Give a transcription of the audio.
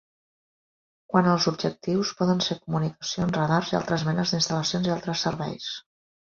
Quant als objectius, poden ser comunicacions, radars i altres menes d'instal·lacions i altres serveis.